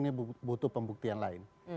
ini butuh pembuktian lain